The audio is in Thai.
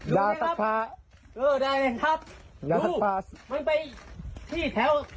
ดาตราภาศาสตร์เออได้เลยครับดูมันไปที่แบบ